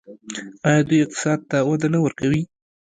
آیا دوی اقتصاد ته وده نه ورکوي؟